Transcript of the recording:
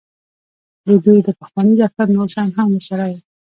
د دوی د پخواني دفتر نور شیان هم ورسره وو